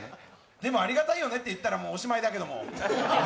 でも、ありがたいよねって言ったらおしまいだけども。